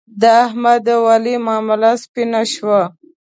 د احمد او علي معامله سپینه شوه.